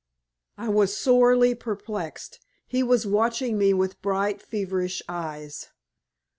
I was sorely perplexed. He was watching me with bright, feverish eyes.